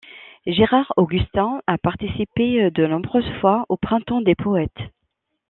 Gérard Augustin a participé de nombreuses fois au Printemps des poètes.